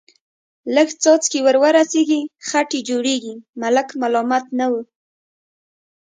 لږ څاڅکي ور ورسېږي، خټې جوړېږي، ملک ملامت نه و.